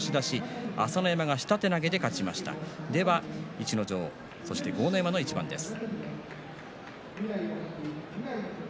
逸ノ城、豪ノ山の一番です。